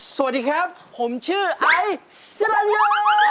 สวัสดีครับผมชื่อไอซ์ซิลาเนียร์